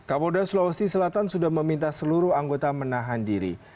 kapolda sulawesi selatan sudah meminta seluruh anggota menahan diri